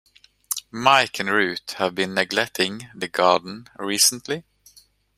Mike and Ruth have been neglecting the garden recently.